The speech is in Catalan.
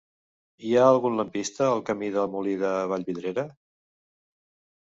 Hi ha algun lampista al camí del Molí de Vallvidrera?